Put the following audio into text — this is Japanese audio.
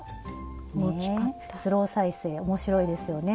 ねスロー再生面白いですよね。